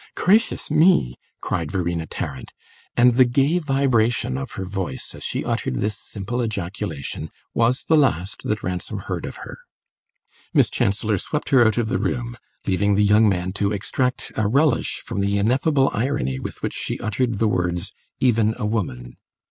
"Gracious me!" cried Verena Tarrant; and the gay vibration of her voice as she uttered this simple ejaculation was the last that Ransom heard of her. Miss Chancellor swept her out of the room, leaving the young man to extract a relish from the ineffable irony with which she uttered the words "even a woman."